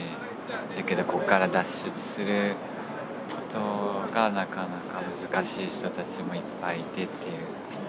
だけどこっから脱出することがなかなか難しい人たちもいっぱいいてっていう。